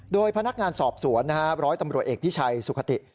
โดยพนักงานสอบสวนร้อยตำรวจเอกพิชัยสุขติ